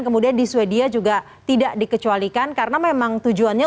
kemudian di swedia juga tidak dikecualikan karena memang tujuannya